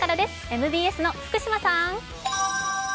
ＭＢＳの福島さん！